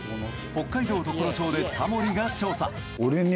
北海道常呂町でタモリが調査。